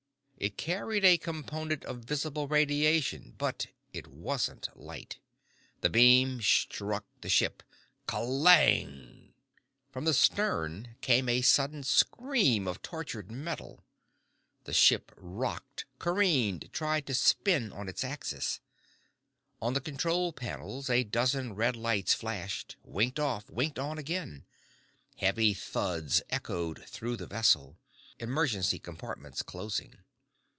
It carried a component of visible radiation but it wasn't light. The beam struck the earth ship. Clang! From the stern came a sudden scream of tortured metal. The ship rocked, careened, tried to spin on its axis. On the control panels, a dozen red lights flashed, winked off, winked on again. Heavy thuds echoed through the vessel. Emergency compartments closing.